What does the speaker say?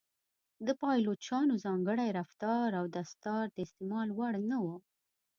د پایلوچانو ځانګړی رفتار او دستار د استعمال وړ نه و.